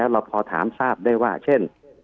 คุณหมอประเมินสถานการณ์บรรยากาศนอกสภาหน่อยได้ไหมคะ